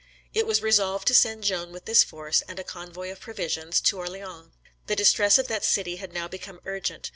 It was resolved to send Joan with this force and a convoy of provisions to Orleans. The distress of that city had now become urgent.